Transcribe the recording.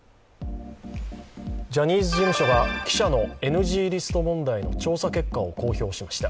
ジャニーズ事務所が記者のＮＧリスト問題の調査結果を公表しました。